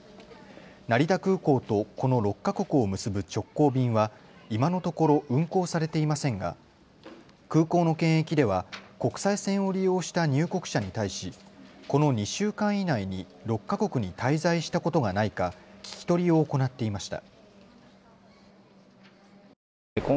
成田空港とこの６か国を結ぶ直行便は今のところ運航されていませんが空港の検疫では国際線を利用した入国者に対しこの２週間以内に６か国に滞在したことがないか聞き取りを行っていました。